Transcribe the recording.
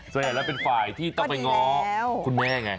ส่วนใหญ่แล้วเป็นฝ่ายที่ต้องไปง้อคุณแม่ไง